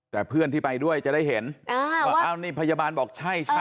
แต่เพื่อนที่ไปด้วยจะได้เห็นว่าพยาบาลบอกใช่